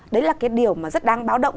đấy là cái điều mà rất đáng báo động